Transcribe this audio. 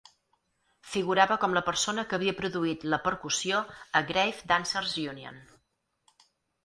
Figurava com la persona que havia produït la "percussió" a "Grave Dancers Union".